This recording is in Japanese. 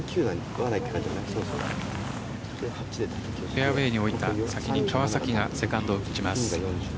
フェアウェイに置いた先に川崎がセカンドを打ちます。